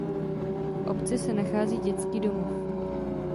V obci se nachází dětský domov.